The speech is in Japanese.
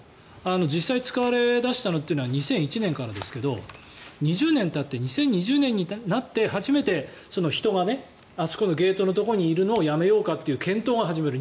実際に使われ出したのは２００１年からですけど２０年たって２０２０年になって初めて人があそこのゲートのところにいるのをやめようかという検討が始まる。